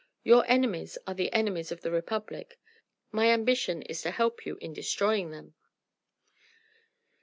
Your enemies are the enemies of the Republic: my ambition is to help you in destroying them."